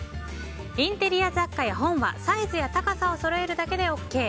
インテリア雑貨や本はサイズや高さをそろえるだけでＯＫ。